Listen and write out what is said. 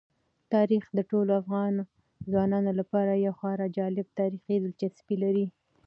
تاریخ د ټولو افغان ځوانانو لپاره یوه خورا جالب تاریخي دلچسپي لري.